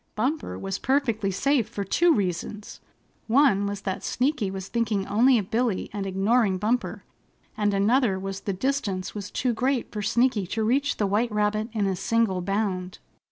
Bumper was perfectly safe for two reasons. One was that Sneaky was thinking only of Billy and ignoring Bumper, and another was the distance was too great for Sneaky to reach the white rabbit in a single bound.